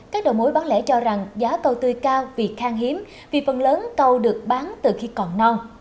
các đầu mối bán lẻ cho rằng giá cầu tươi cao vì khang hiếm vì phần lớn câu được bán từ khi còn non